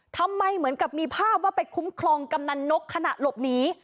ทำไมกับมีภาพว่าไปคุ้มครองกำนะนกขนาดหลบหนี